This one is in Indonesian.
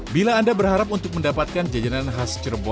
bila anda berharap untuk mendapatkan jajanan khas cirebon